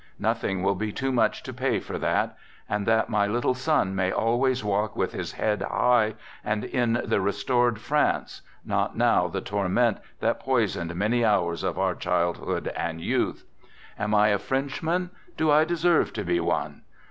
Nothing will be too much to pay for that, and that my little son may always walk with his head high, and in the restored France not know the torment that poisoned many hours of our child hood and youth. " Am I a Frenchman? Do I de serve to be one?